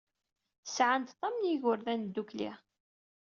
Sɛan-d tam n yigerdan ddukkli.